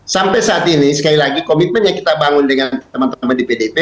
sampai saat ini sekali lagi komitmen yang kita bangun dengan teman teman di pdip